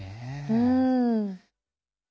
うん。